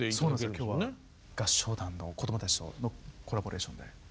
今日は合唱団のこどもたちとのコラボレーションで。